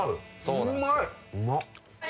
うまい！